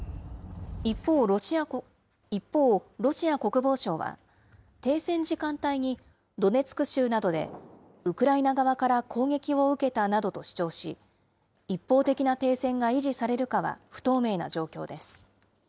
一方、ロシア国防省は停戦時間帯にドネツク州などでウクライナ側から攻撃を受けたなどと主張し、一方的な停戦が維持されるかは不透明な状況です。